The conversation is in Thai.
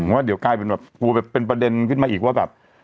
ว่าเดี๋ยวกลายเป็นประเด็นขึ้นมาอีกว่า